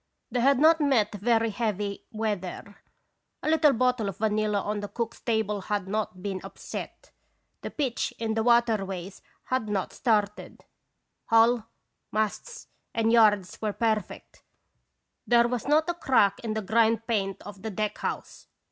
They had not met very heavy weather. A little bottle of vanilla on the cook's table had not been upset; the pitch in the water ways had not started; hull, masts, and yards were perfect; there was not a crack in the grimed paint of the deck house.